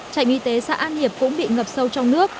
trạm y tế xã an hiệp cũng bị ngập sâu trong nước